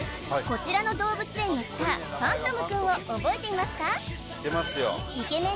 こちらの動物園のスターファントムくんを覚えていますか？